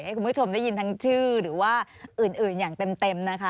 ให้คุณผู้ชมได้ยินทั้งชื่อหรือว่าอื่นอย่างเต็มนะคะ